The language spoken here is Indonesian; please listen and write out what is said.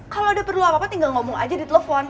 kalau ada perlu apa apa tinggal ngomong aja di telepon